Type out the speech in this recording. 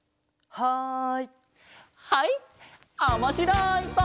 はい！